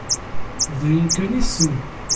D ayen kan i tessnem!